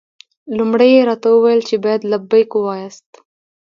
لومړی یې راته وویل چې باید لبیک ووایاست.